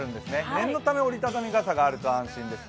念のため折り畳み傘があると安心です。